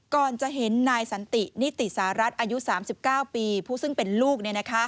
ก่อนจะเห็นนายสันตินิติสหรัฐอายุ๓๙ปีผู้ซึ่งเป็นลูก